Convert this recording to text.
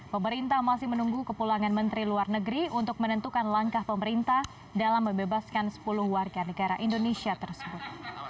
pemerintah masih menunggu kepulangan menteri luar negeri untuk menentukan langkah pemerintah dalam membebaskan sepuluh warga negara indonesia tersebut